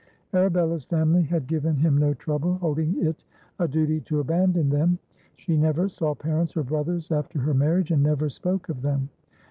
Arabella's family had given him no trouble; holding it a duty to abandon them, she never saw parents or brothers after her marriage, and never spoke of them.